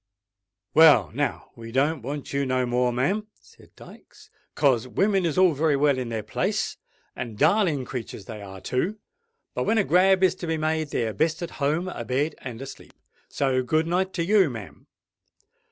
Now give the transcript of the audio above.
"Well—now we don't want you no more, ma'am," said Dykes; "'cos women is all very well in their place; and darling creatur's they are too. But when a grab is to be made, they're best at home, a bed and asleep. So good night to you, ma'am."